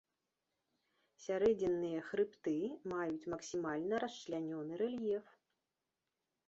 Сярэдзінныя хрыбты маюць максімальна расчлянёны рэльеф.